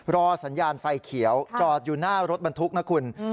รอสัญญาณไฟเขียวจอดอยู่หน้ารถบรรทุกนะคุณ